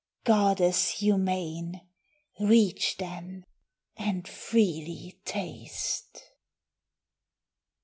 Goddess humane, reach then, and freely taste."